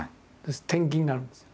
転勤になるんですよ。